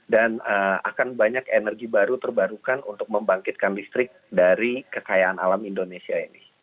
dan akan banyak energi baru terbarukan untuk membangkitkan listrik dari kekayaan alam indonesia ini